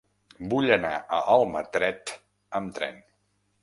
Vull anar a Almatret amb tren.